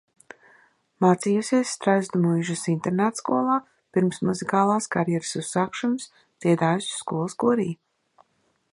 Mācījusies Strazdumuižas internātskolā, pirms muzikālās karjeras uzsākšanas dziedājusi skolas korī.